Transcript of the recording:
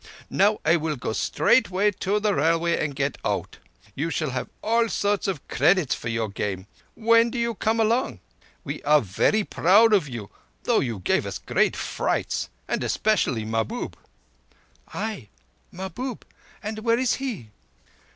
Now I will go straight to the railway and get out. You shall have all sorts of credits for your game. When do you come along? We are very proud of you though you gave us great frights. And especially Mahbub." "Ay, Mahbub. And where is he?"